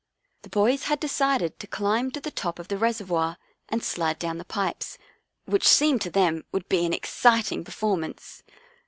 The boys had decided to climb to the top of the reservoir and slide down the pipes, which seemed to them would be an exciting per formance.